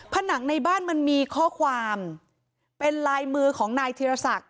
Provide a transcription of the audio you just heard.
ผนังในบ้านมันมีข้อความเป็นลายมือของนายธีรศักดิ